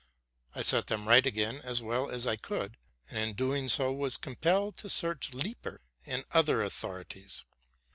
I set them right again as well as I could, and in doing so was compelled to search Lippert and other authorities.